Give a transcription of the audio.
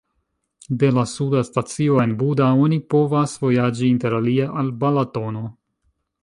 De la suda stacio en Buda oni povas vojaĝi interalie al Balatono.